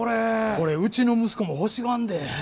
これうちの息子も欲しがんで。